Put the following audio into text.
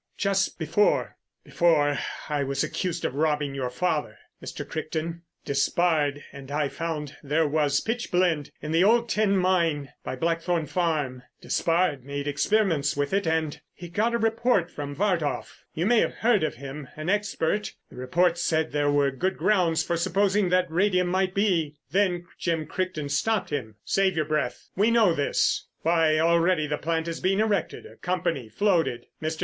"Just before—before I was accused of robbing your father, Mr. Crichton, Despard and I found there was pitch blende in the old tin mine by Blackthorn Farm. Despard made experiments with it and—he got a report from Vardoff—you may have heard of him—an expert. The report said there were good grounds for supposing that radium might be——" Then Jim Crichton stopped him. "Save your breath. We know this. Why, already the plant is being erected, a company floated. Mr.